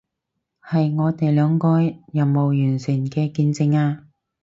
係我哋兩個任務完成嘅見證啊